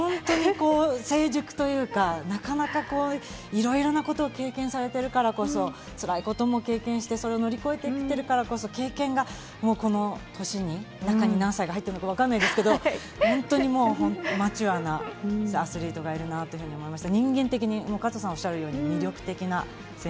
ホントに成熟というか、いろいろなことを経験されているからこそつらいことも経験して、それを乗り越えてきているからこそ中に何歳が入ってるかわかんないですけど、ホントにアスリートがいるなと思いました。